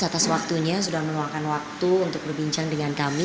atas waktunya sudah meluangkan waktu untuk berbincang dengan kami